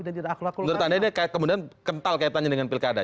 menurut anda ini kemudian kental kaitannya dengan pilkada